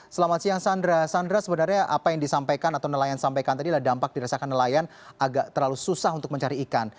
selamat siang sandra sandra sebenarnya apa yang disampaikan atau nelayan sampaikan tadi adalah dampak dirasakan nelayan agak terlalu susah untuk mencari ikan